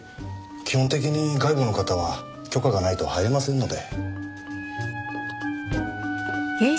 基本的に外部の方は許可がないと入れませんので。